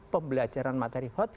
pembelajaran materi hots